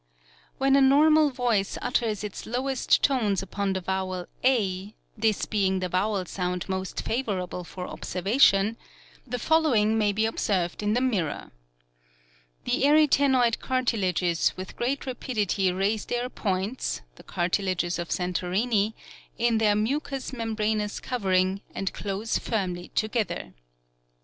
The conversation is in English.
"When 20 maccabe's art of ventriloquism a normal voice utters its lowest tones upon the vowel a, this be ing the vowel sound most favorable for observation, the follow ing may be observed in the mirror : The arytenoid cartilages with great rapidity raise their points, the cartilages of Santorini in their mucous membraneous covering, and close firmly together.